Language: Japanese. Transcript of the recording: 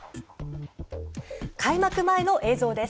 開幕前の映像です。